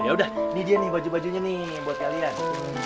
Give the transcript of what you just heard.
ya udah ini dia nih baju bajunya nih buat kalian